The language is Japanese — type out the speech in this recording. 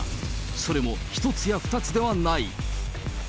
それも一つや二つではない。